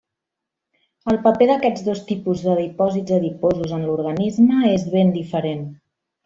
El paper d'aquests dos tipus de dipòsits adiposos en l'organisme és ben diferent.